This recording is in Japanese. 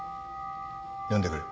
読んでくれ。